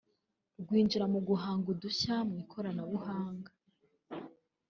rwinjira mu guhanga udushya mu ikoranabuhanga